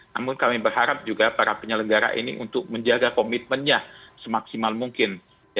namun kami berharap juga para penyelenggara ini untuk menjaga komitmennya semaksimal mungkin